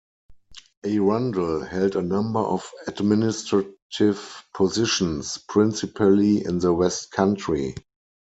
Arundell held a number of administrative positions, principally in the West Country.